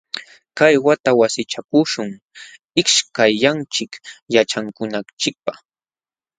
Kay wata wasichakuśhun ishkayllanchik yaćhakunanchikpaq.